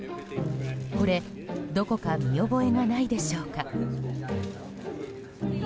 これ、どこか見覚えがないでしょうか。